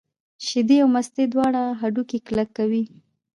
شیدې او مستې دواړه هډوکي کلک کوي.